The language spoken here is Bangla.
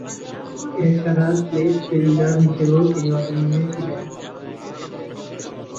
এছাড়াও, স্লিপ ফিল্ডার হিসেবেও তিনি অতুলনীয় ছিলেন।